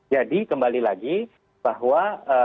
jadi kembali lagi bahwa